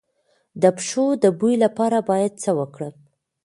د پښو د بوی لپاره باید څه وکړم؟